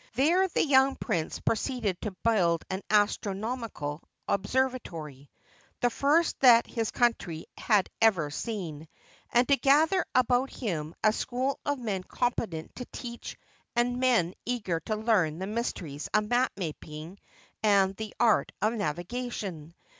There the young prince proceeded to build an astronomical observatory, the first that his country had ever seen, and to gather about him a school of men competent to teach and men eager to learn the mysteries of map making and the art of navigation.